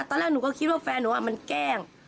ตอนแรกหนูก็คิดว่าแฟนหนูมันแกล้ง